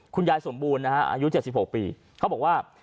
คุณยายสมบูรณ์นะฮะอายุ๗๖ปีเขาบอกว่า